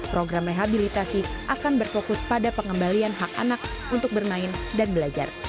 program rehabilitasi akan berfokus pada pengembalian hak anak untuk bermain dan belajar